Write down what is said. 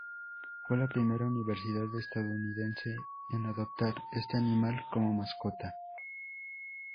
Fue la primera universidad estadounidense en adoptar este animal como mascota.